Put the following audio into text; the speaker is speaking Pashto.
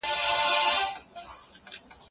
سره زر په المارۍ کې دي.